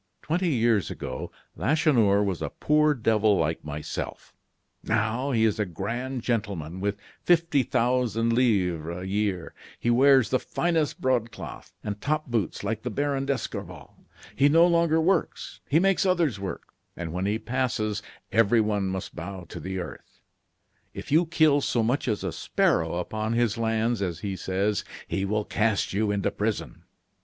"Twenty years ago, Lacheneur was a poor devil like myself; now, he is a grand gentleman with fifty thousand livres a year. He wears the finest broadcloth and top boots like the Baron d'Escorval. He no longer works; he makes others work; and when he passes, everyone must bow to the earth. If you kill so much as a sparrow upon his lands, as he says, he will cast you into prison.